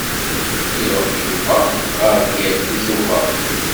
Iṛuḥ Yuba ɣer Bgayet deg Tubeṛ?